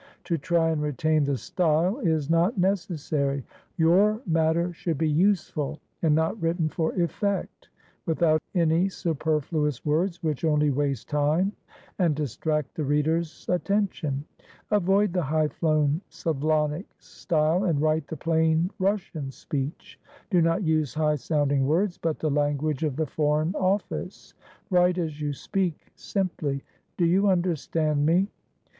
To try and retain the style is not necessary. Your matter should be useful and not written for effect, without any superfluous words which only waste time and distract the reader's attention. Avoid the highflown Slavonic style, and write the plain Russian speech. Do not use high sounding words, but the language of the Foreign Office. Write as you speak, simply. Do you understand me?"